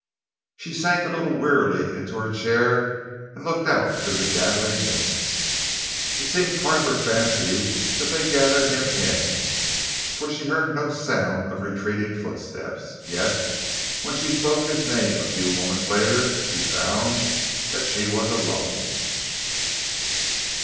She sank a little wearily into her chair and looked out through the gathering mists. It seemed part of her fancy that they gathered him in, for she heard no sound of retreating footsteps. Yet when she spoke his name, a few moments later, she found that she was alone.